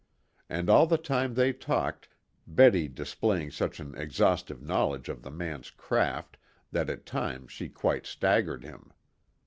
And all the time they talked, Betty displaying such an exhaustive knowledge of the man's craft that at times she quite staggered him.